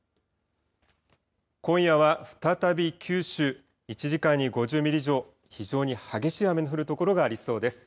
今夜は再び九州、１時間に５０ミリ以上、非常に激しい雨の降る所がありそうです。